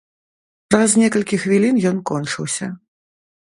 Праз некалькі хвілін ён кончыўся.